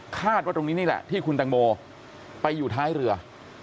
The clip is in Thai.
ว่าตรงนี้นี่แหละที่คุณตังโมไปอยู่ท้ายเรือ